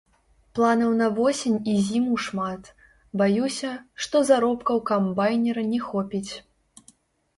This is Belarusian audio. Планаў на восень і зіму шмат, баюся, што заробкаў камбайнера не хопіць.